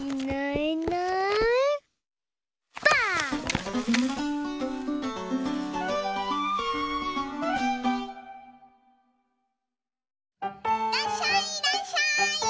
いらっしゃいいらっしゃい！